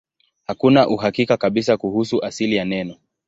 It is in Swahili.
Hakuna uhakika kabisa kuhusu asili ya neno.